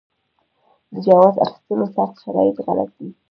د جواز اخیستلو سخت شرایط غلط دي.